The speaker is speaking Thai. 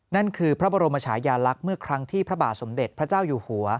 นั่นคือพระบรมชายาลักษณ์เมื่อครั้งที่พระบาทสมเด็จพระเจ้าอยู่หัว